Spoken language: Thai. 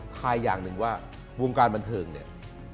ทายอย่างหนึ่งว่าวงการบันเทิงเนี่ย